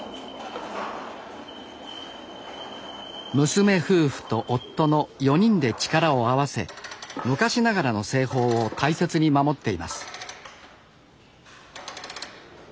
娘夫婦と夫の４人で力を合わせ昔ながらの製法を大切に守っています。